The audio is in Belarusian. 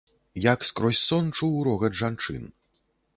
Як скрозь сон чуў рогат жанчын.